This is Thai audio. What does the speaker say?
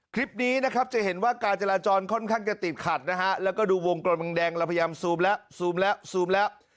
คลิปนี้นะครับจะเห็นว่าการจราจรค่อนข้างจะติดขัดนะฮะแล้วก็ดูวงกระมังแดงเราพยายามซูมแล้วซูมแล้วซูมแล้ว